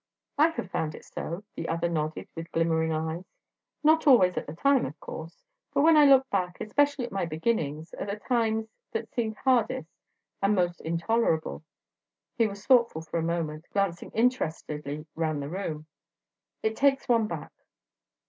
"I have found it so." The other nodded with glimmering eyes. "Not always at the time, of course. But when I look back, especially at my beginnings, at the times that seemed hardest and most intolerable ..." He was thoughtful for a moment, glancing interestedly round the room. "It takes one back."